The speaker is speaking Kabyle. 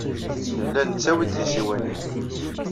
Nella nettawey-d tisiwanin.